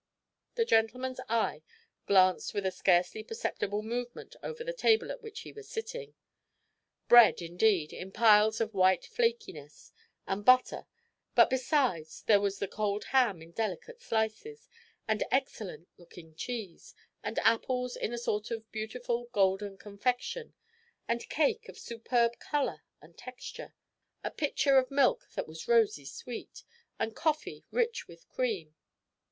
The gentleman's eye glanced with a scarcely perceptible movement over the table at which he was sitting. Bread, indeed, in piles of white flakiness; and butter; but besides, there was the cold ham in delicate slices, and excellent looking cheese, and apples in a sort of beautiful golden confection, and cake of superb colour and texture; a pitcher of milk that was rosy sweet, and coffee rich with cream.